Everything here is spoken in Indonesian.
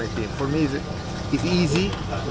saya pemandu juga pengurus tim